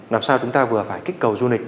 làm sao chúng ta vừa phải kích cầu du lịch